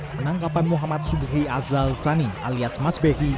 penangkapan muhammad subuhi azal sani alias mas behi